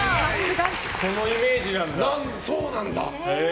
そのイメージなんだ。